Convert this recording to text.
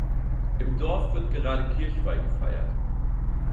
Im Dorf wird gerade Kirchweih gefeiert.